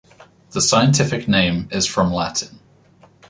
The scientific name is from Latin.